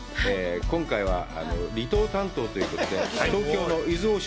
今回は離島担当ということで、東京の伊豆大島。